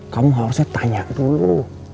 kamu harusnya tanya dulu